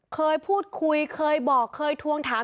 เคยพูดคุยเคยบอกเคยทวงถาม